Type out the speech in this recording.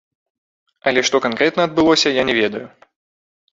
Але што канкрэтна адбылося, я не ведаю.